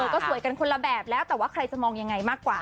ก็สวยกันคนละแบบแล้วแต่ว่าใครจะมองยังไงมากกว่า